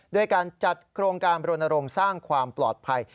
ด้วยการจัดโครงการบรณรงค์สร้างความปลอดภัย